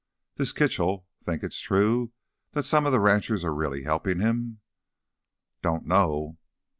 "This Kitchell...think it's true that some of the ranchers are really helpin' him?" "Don't know.